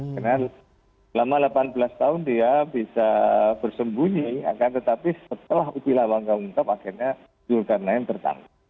karena selama delapan belas tahun dia bisa bersembunyi tetapi setelah ubi lawangga ungkap akhirnya jurnal nain tertangkap